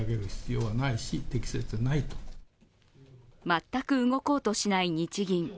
全く動こうとしない日銀。